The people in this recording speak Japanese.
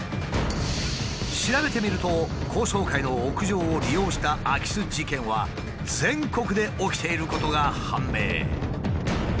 調べてみると高層階の屋上を利用した空き巣事件は全国で起きていることが判明。